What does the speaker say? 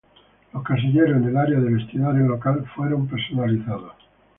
Los casilleros en el área de vestidores local, fueron personalizados.